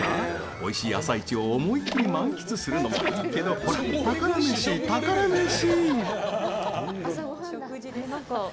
おいしい朝市を思いっきり満喫するのもよいけどほら、宝メシ、宝メシ！